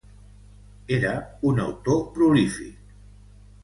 Era un autor prolífic.